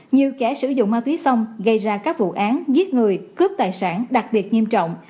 như kẻ sử dụng ma túy xong gây ra các vụ án giết người cướp tài sản đặc biệt nghiêm trọng